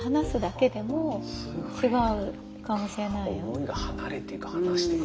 思いが離れていくはなしていく。